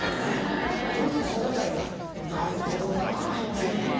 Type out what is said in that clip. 俺と小堺がなるほどなっていう。